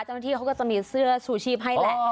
เจ้าหน้าที่เขาก็จะมีเสื้อชูชีพให้แหละ